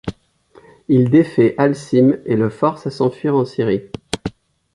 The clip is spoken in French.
Il défait Alcime, et le force à s'enfuir en Syrie.